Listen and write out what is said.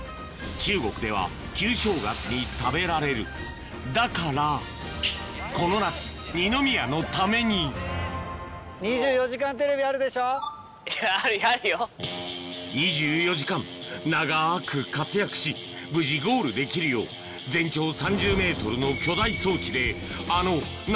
中国では旧正月に食べられるだからこの夏２４時間長く活躍し無事ゴールできるよう全長３０ｍの行きます！